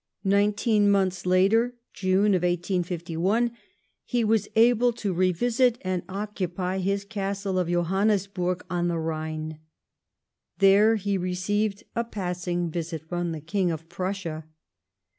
Nineteen months later (June, 1851), he was able to revisit and occupy his Castle of Johannisburg, on the Rhine. There he received a passing visit from the King of Prussia.